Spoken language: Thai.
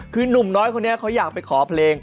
คือหนุ่มน้อยคนนี้เขาอยากไปขอเพลง